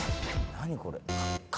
何これ？